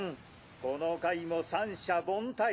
この回も三者凡退！